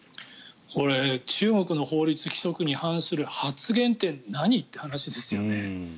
これ、中国の法律・規則に反する発言って何？って話ですよね。